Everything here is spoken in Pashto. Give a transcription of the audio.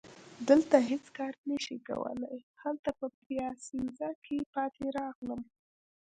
دلته هیڅ کار نه شي کولای، هلته په پیاسینزا کي پاتې راغلم.